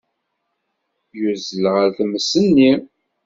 Yuzzel ɣer tmes-nni.